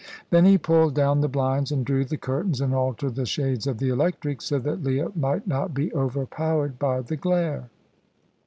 Then he pulled down the blinds and drew the curtains, and altered the shades of the electrics, so that Leah might not be overpowered by the glare.